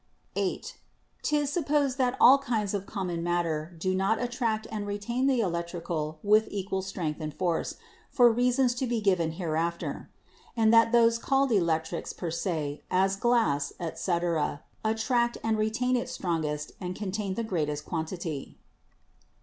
"(8) 'Tis supposed that all kinds of common matter do not attract and retain the electrical with equal strength and force, for reasons to be given hereafter. And that those called electrics per se, as glass, etc., attract and retain it strongest and contain the great est quantity.